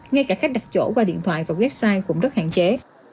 ngay cả khách đặt chỗ qua điện thoại và website cũng rất hạn chế